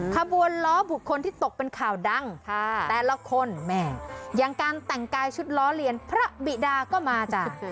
ขบวนล้อบุคคลที่ตกเป็นข่าวดังแต่ละคนแม่อย่างการแต่งกายชุดล้อเลียนพระบิดาก็มาจ้ะ